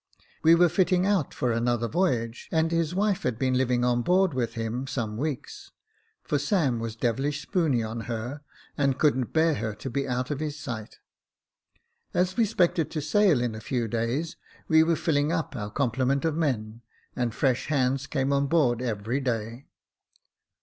We were fitting out for another voyage, and his wife had been living on board with him some weeks, for Sam was devilish spoony on her, and couldn't bear her to be out of his sight. As we 'spected to sail in a few days, we were filling up our complement of men, and fresh hands came on board every day.